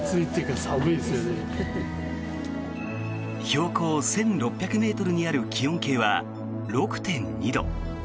標高１６００ｍにある気温計は６．２度。